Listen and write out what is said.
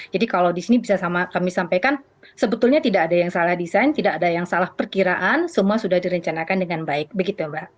jadi kalau di sini bisa kami sampaikan sebetulnya tidak ada yang salah desain tidak ada yang salah perkiraan semua sudah direncanakan dengan baik begitu mbak